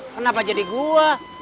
kenapa jadi gua